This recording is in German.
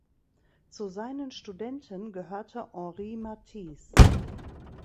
Zu seinen Studenten gehörte Henri Matisse.